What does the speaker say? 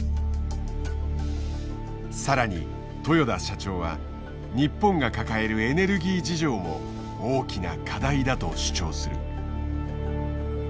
さらに豊田社長は日本が抱えるエネルギー事情も大きな課題だと主張する。